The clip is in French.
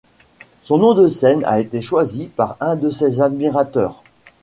Son nom de scène a été choisi par un de ses admirateurs.